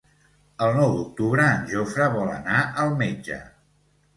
El nou d'octubre en Jofre vol anar al metge.